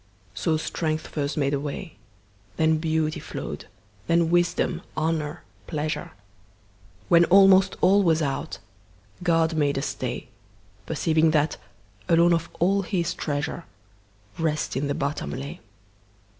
So strength first made a way, Then beauty flow'd, then wisdom, honour, pleasure; When almost all was out, God made a stay, Perceiving that, alone of all His treasure, Rest in the bottom lay.